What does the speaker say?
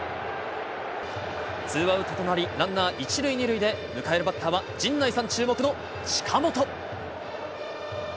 ツーアウトとなり、ランナー一塁二塁で迎えるバッターは、陣内さん注目の近本。